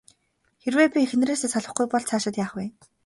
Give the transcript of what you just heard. Хэрэв би эхнэрээсээ салахгүй бол цаашид яах вэ?